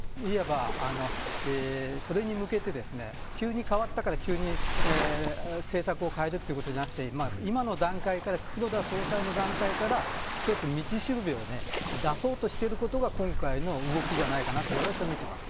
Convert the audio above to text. それに向けて急に変わったから急に政策を変えるということではなく黒田総裁の段階から一つ道しるべを出そうとしてることが今回の動きじゃないかなと私は見ています。